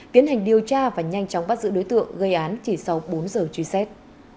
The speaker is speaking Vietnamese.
tiến hành điều tra và nhanh chóng bắt giữ đối tượng gây án chỉ sau bốn giờ truy xét